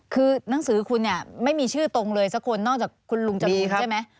คือหนังสือคุณเนี่ยไม่มีชื่อตรงเลยสักคนนอกจากคุณลุงจรูนใช่ไหม